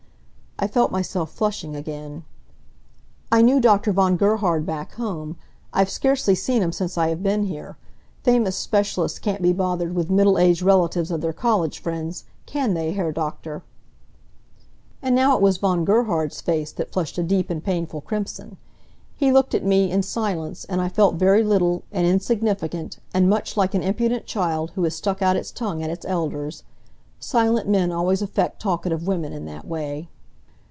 I felt myself flushing again. "I knew Dr. von Gerhard back home. I've scarcely seen him since I have been here. Famous specialists can't be bothered with middle aged relatives of their college friends, can they, Herr Doktor?" And now it was Von Gerhard's face that flushed a deep and painful crimson. He looked at me, in silence, and I felt very little, and insignificant, and much like an impudent child who has stuck out its tongue at its elders. Silent men always affect talkative women in that way.